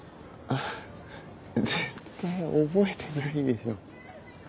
絶対覚えてないでしょ。